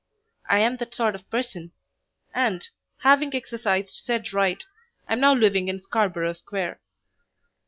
I am that sort of person, and, having exercised said right, I am now living in Scarborough Square.